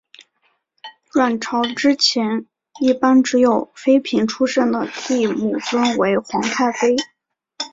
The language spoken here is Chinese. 阮朝之前一般只有妃嫔出身的帝母尊为皇太妃。